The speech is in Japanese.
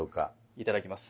いただきます。